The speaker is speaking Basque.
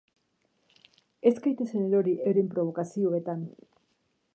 Ez gaitezen erori euren probokazioetan.